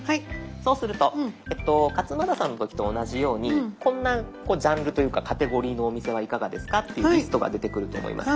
そうすると勝俣さんの時と同じようにこんなジャンルというかカテゴリーのお店はいかがですかっていうリストが出てくると思います。